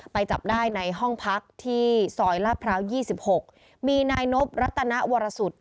ไปจับได้ในห้องพักที่สอยหละพร้าวยี่สิบหกมีนายนบรัษณะวรสุทธิ์